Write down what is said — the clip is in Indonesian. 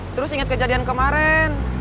terus inget kejadian kemarin